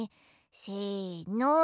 せの。